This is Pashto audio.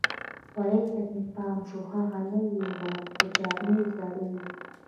خولۍ ته مې پام شو، هغه نوې وه، خو جامې زړې وي.